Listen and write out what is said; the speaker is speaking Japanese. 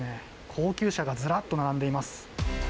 高級車がずらっと並んでいます。